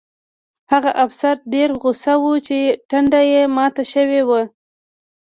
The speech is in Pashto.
هغه افسر ډېر غوسه و چې ټنډه یې ماته شوې وه